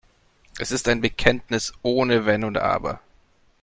Es ist ein Bekenntnis ohne Wenn und Aber.